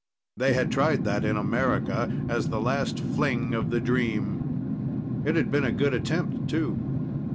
They had tried that in America, as the last fling of the dream. It had been a good attempt, too.